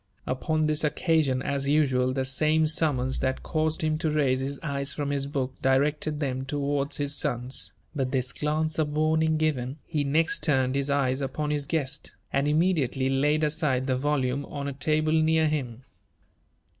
Upon this occasion, as usual, the same summons that caused him to raise his eyes from his book, directed them towards his sons ; but this glance of warning given, he next turned his eyes upon his guest, and immediately laid aside the volume on a table near him.